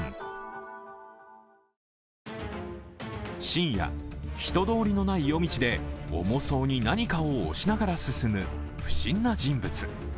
深夜、人通りのない夜道で重そうに何かを押しながら進む不審な人物。